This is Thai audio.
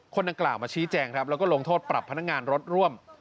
คนดังกล่าวมาชี้แจงครับแล้วก็ลงโทษปรับพนักงานรถร่วม